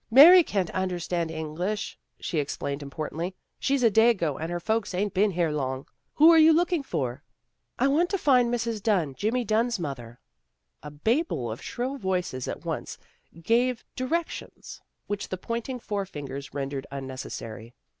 " Mary can't understand English," she ex plained importantly. " She's a dago and her folks ain't been here long. Who are you looking for? " 122 THE GIRLS OF FRIENDLY TERRACE " I want to find Mrs. Dunn, Jimmy Dunn's mother." A babel of shrill voices at once gave direc tions, which the pointing forefingers rendered unnecessary.